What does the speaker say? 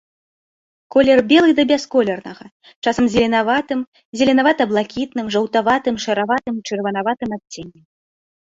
Колер белы да бясколернага, часам з зеленаватым, зеленевата-блакітным, жаўтаватым, шараватым, чырванаватым адценнем.